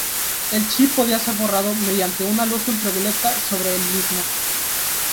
El chip podía ser borrado mediante una luz ultravioleta sobre el mismo.